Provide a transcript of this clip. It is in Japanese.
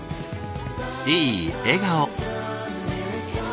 いい笑顔。